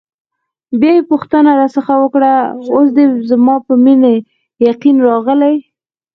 بیا یې پوښتنه راڅخه وکړه: اوس دې زما پر مینې یقین راغلی؟